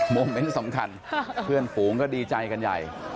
โมเมนต์สำคัญเพื่อนฝูงก็ดีใจกันใหญ่